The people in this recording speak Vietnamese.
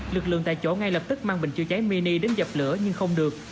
lực lượng tại chỗ ngay lập tức mang bình chữa cháy mini đến dập lửa nhưng không được